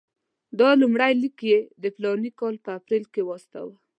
دا لومړی لیک یې د فلاني کال په اپرېل کې واستاوه.